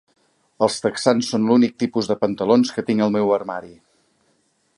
Els texans són l'únic tipus de pantalons que tinc al meu armari.